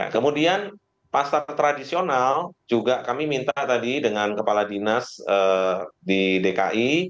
kemudian pasar tradisional juga kami minta tadi dengan kepala dinas di dki